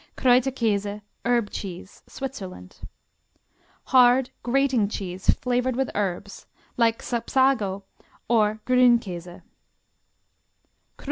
Kreuterkäse, Herb Cheese Switzerland Hard, grating cheese flavored with herbs; like Sapsago or Grunkäse.